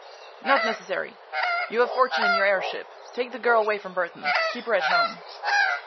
"Not necessary. You've a fortune in your airship. Take the girl away from Burthon. Keep her at home."